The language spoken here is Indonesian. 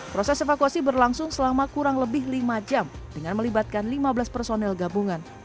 proses evakuasi berlangsung selama kurang lebih lima jam dengan melibatkan lima belas personel gabungan